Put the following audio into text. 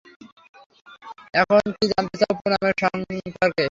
আর কী জানতে চাও পুনামের সম্পর্কে?